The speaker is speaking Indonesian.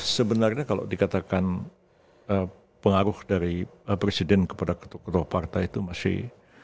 sebenarnya kalau dikatakan pengaruh dari presiden kepada ketua partai itu masih lima puluh lima puluh